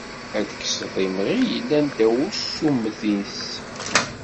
Ad d-tekkseḍ imɣi yellan ddaw n usummet-is.